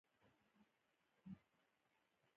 په افغانستان کې د هندوکش غرونه شتون لري.